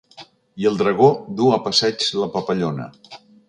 I el dragó du a passeig la papallona.